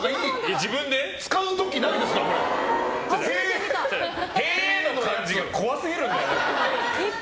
自分で使う時なくないですか？への感じが怖すぎる。